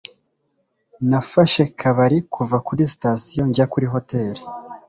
Nafashe kabari kuva kuri sitasiyo njya kuri hoteri.